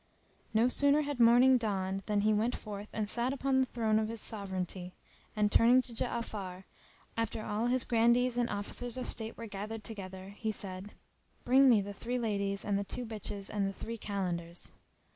No sooner had morning dawned than he went forth and sat upon the throne of his sovereignty; and, turning to Ja'afar, after all his Grandees and Officers of state were gathered together, he said, "Bring me the three ladies and the two bitches and the three Kalandars."